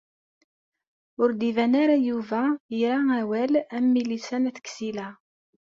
Ur d-iban ara Yuba ira awal am Milisa n At Ksila.